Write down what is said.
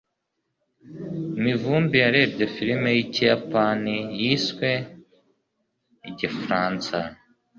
Mivumbi yarebye filime yikiyapani yiswe igifaransa.